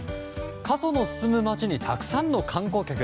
過疎の進む町にたくさんの観光客。